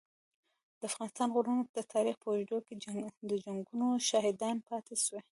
د افغانستان غرونه د تاریخ په اوږدو کي د جنګونو شاهدان پاته سوي.